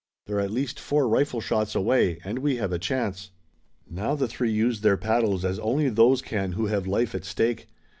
They're at least four rifleshots away and we have a chance." Now the three used their paddles as only those can who have life at stake.